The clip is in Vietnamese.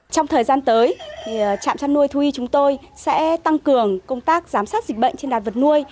trong thời gian tới trạm chăn nuôi thú y chúng tôi sẽ tăng cường công tác giám sát dịch bệnh trên đàn vật nuôi